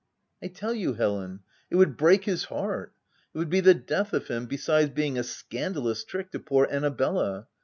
" I tell you, Helen, it would break his heart — it would be the death of him, — besides being a scandalous trick to poor Annabella.